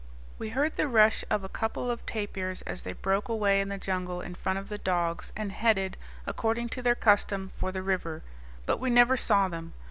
We heard the rush of a couple of tapirs, as they broke away in the jungle in front of the dogs and headed, according to their custom, for the river; but we never saw them.